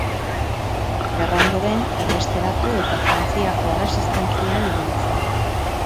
Gerra ondoren, erbesteratu eta Frantziako Erresistentzian ibili zen.